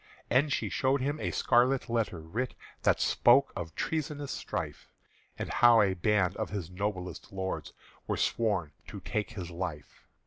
And she showed him a secret letter writ That spoke of treasonous strife, And how a band of his noblest lords Were sworn to take his life.